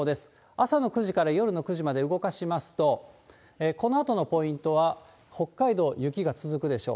朝の９時から夜の９時まで動かしますと、このあとのポイントは、北海道、雪が続くでしょう。